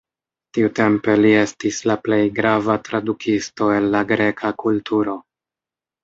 Tiutempe li estis la plej grava tradukisto el la greka kulturo.